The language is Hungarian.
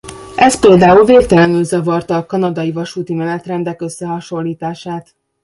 Ez például végtelenül zavarta a kanadai vasúti menetrendek összehasonlítását.